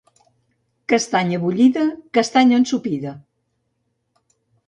Castanya bullida, castanya ensopida.